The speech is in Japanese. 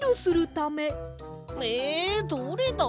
えどれだ？